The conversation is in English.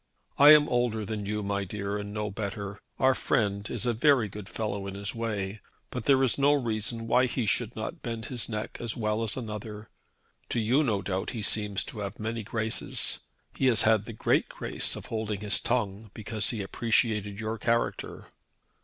I am older than you, my dear, and know better. Our friend is a very good fellow in his way, but there is no reason why he should not bend his neck as well as another. To you no doubt he seems to have many graces. He has had the great grace of holding his tongue because he appreciated your character."